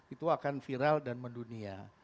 itu akan viral dan mendunia